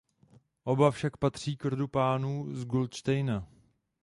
Oba však patří k rodu pánů z Gutštejna.